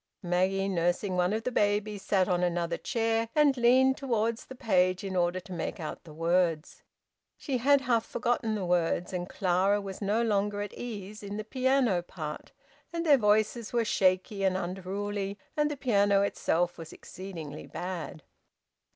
Maggie, nursing one of the babies, sat on another chair, and leaned towards the page in order to make out the words. She had half forgotten the words, and Clara was no longer at ease in the piano part, and their voices were shaky and unruly, and the piano itself was exceedingly bad.